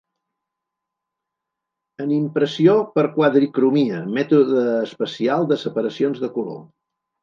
En impressió per quadricromia, mètode especial de separacions de color.